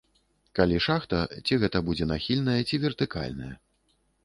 Калі шахта, ці гэта будзе нахільная, ці вертыкальная.